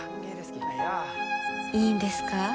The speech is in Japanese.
いいんですか？